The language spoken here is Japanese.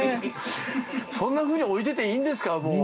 そんなふうに置いてていいんですか、もう。